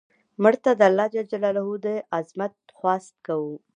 مړه ته د الله ج د عظمت خواست کوو